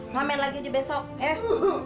ngamen lagi besok eh